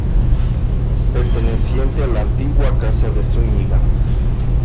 Perteneciente a la antigua Casa de Zúñiga.